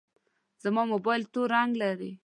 زما موبایل تور رنګ لري.